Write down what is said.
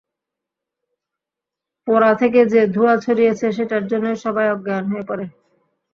পোড়া থেকে যে ধোঁয়া ছড়িয়েছে, সেটার জন্যই সবাই অজ্ঞান হয়ে পড়ে।